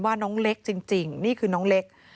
น้องเล็กจริงนี่คือน้องเล็ก